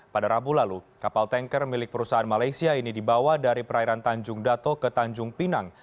pada rabu lalu kapal tanker milik perusahaan malaysia ini dibawa dari perairan tanjung dato ke tanjung pinang